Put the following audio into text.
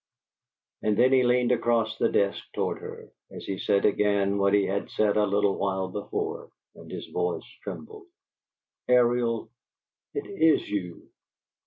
And then he leaned across the desk toward her, as he said again what he had said a little while before, and his voice trembled: "Ariel, it IS you?"